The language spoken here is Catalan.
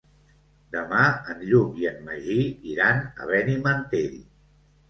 Demà en Lluc i en Magí iran a Benimantell.